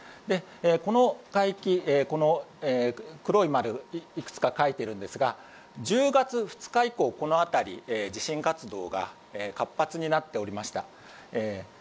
この海域、黒い丸がいくつか書いてありますが１０月２日以降、この辺り地震活動が活発になっておりました。